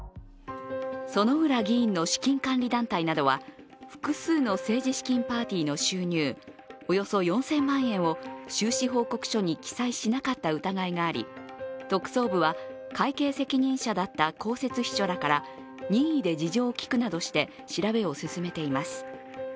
薗浦議員の資金管理団体などは複数の政治資金パーティーの収入、およそ４０００万円を収支報告書に記載しなかなかった疑いがあり特捜部は、会計責任者だった公設秘書らから任意で事情を聴くなどして調べを進めています。